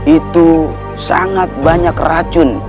itu sangat banyak racun